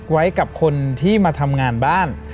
ไว้กับคนที่มาทำงานบ้าน